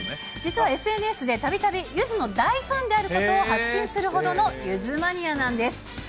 実はＳＮＳでたびたびゆずの大ファンであることを発信するほどのゆずマニアなんです。